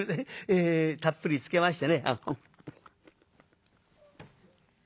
えたっぷりつけましてね」。